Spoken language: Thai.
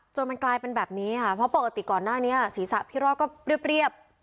มันกลายเป็นแบบนี้ค่ะเพราะปกติก่อนหน้านี้ศีรษะพี่รอดก็เรียบ